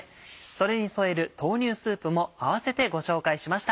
それに添える「豆乳スープ」もあわせてご紹介しました。